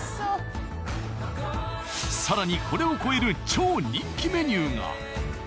更にこれを超える超人気メニューが。